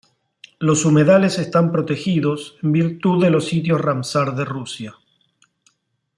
Los humedales están protegidos en virtud de los Sitios Ramsar de Rusia.